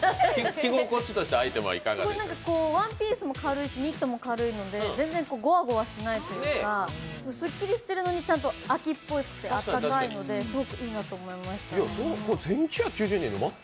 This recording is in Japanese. ワンピースも軽いしニットも軽いので全然ゴワゴワしないというか、すっきりしてるのにちゃんと秋っぽいのでいいなと思いました。